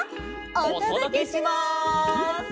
おとどけします！